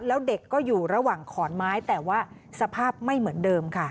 แล้วเด็กก็อยู่ระหว่างขอนไม้แต่ว่าสภาพไม่เหมือนเดิมค่ะ